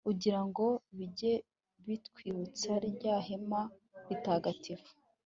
ugira ngo bijye bitwibutsa rya hema ritagatifu